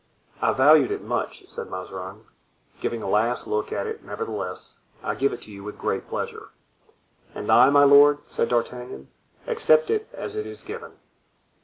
"I valued it much," said Mazarin, giving a last look at it; "nevertheless, I give it to you with great pleasure." "And I, my lord," said D'Artagnan, "accept it as it is given.